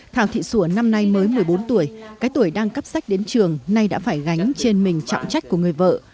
thảo thị sủa năm nay mới một mươi bốn tuổi cái tuổi đang cắp sách đến trường nay đã phải gánh trên mình trọng trách của người vợ